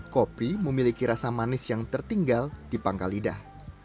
kopi memiliki rasa manis yang tertinggal di pangkal lidah